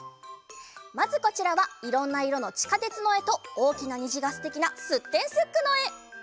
まずこちらはいろんないろの「ちかてつ」のえとおおきなにじがすてきな「すってんすっく！」のえ。